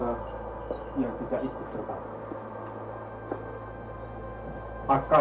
yang tidak ikut terbakar